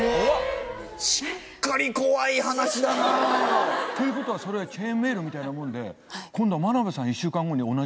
しっかり怖い話だな。ということはそれはチェーンメールみたいなもんで今度は１週間後に。